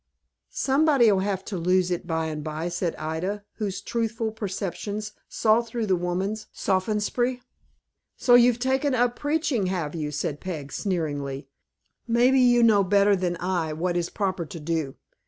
"Somebody'll have to lose it by and by," said Ida, whose truthful perceptions saw through the woman's sophistry. "So you've taken up preaching, have you?" said Peg, sneeringly. "Maybe you know better than I what is proper to do.